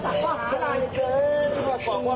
ท่านจัดข้อกว่าการ